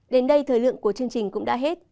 đến đây thời lượng của chương trình cũng đã hết